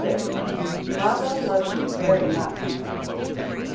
"BABA LOVES YOU VERY MUCH."